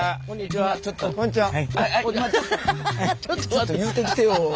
ちょっと言うてきてよ。